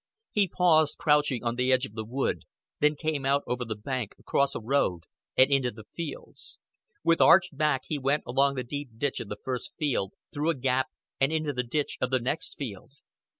He paused crouching on the edge of the wood, then came out over the bank, across a road, and into the fields. With arched back he went along the deep ditch of the first field, through a gap, and into the ditch of the next field.